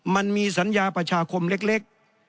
มันมีสัญญาประชาคมเล็ก